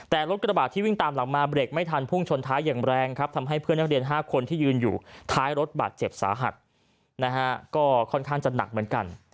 แต่รถกระบาดที่วิ่งตามหลังมาเบรกไม่ทันพุ่งชนท้ายอย่างแรงครับทำให้เพื่อนนักเรียน๕คนที่ยืนอยู่ท้ายรถบาดเจ็บสาหัสนะฮะก็ค่อนข้างจะหนักเหมือนกัน